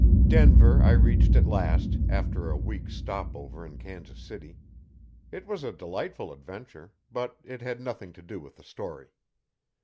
Denver I reached at last, after a week's stop over in Kansas City. It was a delightful adventure but it had nothing to do with the story.